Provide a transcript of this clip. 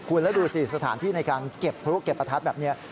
คุณแล้วดูสิสถานที่ในการเก็บพลุเก็บประทัดแบบนี้